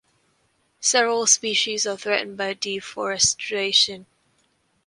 Several species are threatened by deforestation.